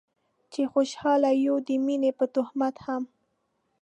چې خوشحاله يو د مينې په تهمت هم